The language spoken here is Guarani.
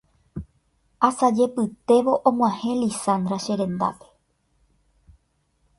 Asajepytévo og̃uahẽ Lizandra cherendápe